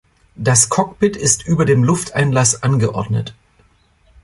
Das Cockpit ist über dem Lufteinlass angeordnet.